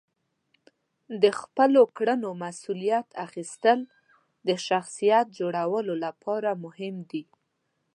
د خپلو کړنو مسئولیت اخیستل د شخصیت جوړولو لپاره مهم دي.